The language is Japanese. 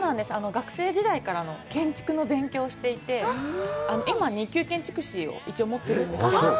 学生時代から建築の勉強をしていて今、二級建築士を一応持ってるんですけど。